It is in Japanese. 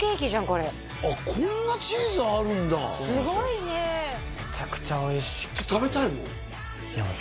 これこんなチーズあるんだすごいねめちゃくちゃおいしくて食べたいもん